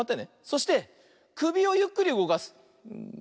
そしてくびをゆっくりうごかす。